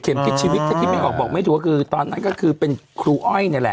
คิดชีวิตถ้าคิดไม่ออกบอกไม่ถูกก็คือตอนนั้นก็คือเป็นครูอ้อยนี่แหละ